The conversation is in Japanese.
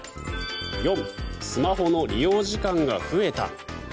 ４、スマホの利用時間が増えた。